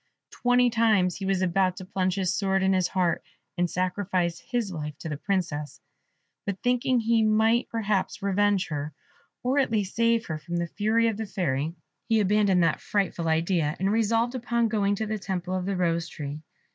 Twenty times he was about to plunge his sword in his heart, and sacrifice his life to the Princess; but thinking he might perhaps revenge her, or at least save her from the fury of the Fairy, he abandoned that frightful idea, and resolved upon going to the temple of the Rose tree.